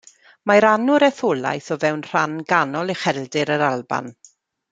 Mae rhan o'r etholaeth o fewn rhan ganol Ucheldir yr Alban.